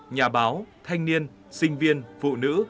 nhà báo thanh niên sinh viên phụ nữ